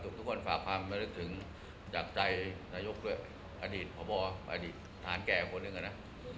ทุกคนฝากความมานึกถึงจากใจนายกด้วยอดีตพบอดีตฐานแก่คนหนึ่งอะนะ